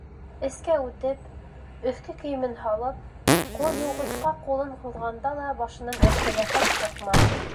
Эскә үтеп, өҫкө кейемен һалып, ҡулъйыуғысҡа ҡулын һуҙғанда ла башынан Әптеләхәт сыҡманы.